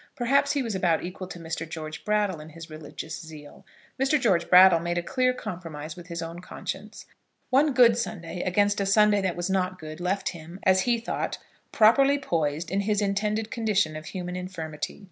Perhaps he was about equal to Mr. George Brattle in his religious zeal. Mr. George Brattle made a clear compromise with his own conscience. One good Sunday against a Sunday that was not good left him, as he thought, properly poised in his intended condition of human infirmity.